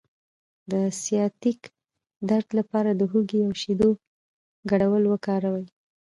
د سیاتیک درد لپاره د هوږې او شیدو ګډول وکاروئ